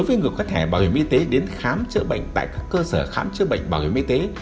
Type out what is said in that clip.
đối với người có thẻ bảo hiểm y tế đến khám chữa bệnh tại các cơ sở khám chữa bệnh bảo hiểm y tế